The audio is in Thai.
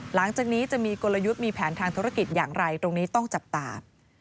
หลังจากนี้จะมีกลยุทธ์มีแผนทางธุรกิจอย่างไรตรงนี้ต้องจับตา